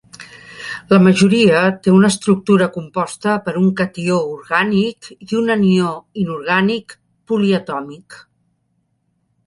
La majoria té una estructura composta per un catió orgànic i un anió inorgànic poliatòmic.